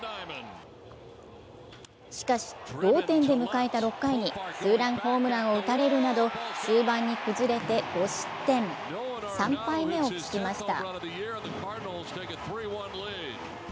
しかし、同点で迎えた６回にツーランホームランを打たれるなど終盤に崩れて５失点、３敗目を喫しました。